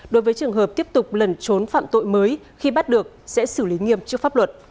đối với trường hợp tiếp tục lần trốn phạm tội mới khi bắt được sẽ xử lý nghiêm trước pháp luật